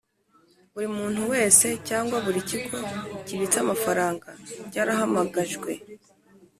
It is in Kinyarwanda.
Buri muntu wese cyangwa buri kigo kibitse amafaranga cyarahamagajwe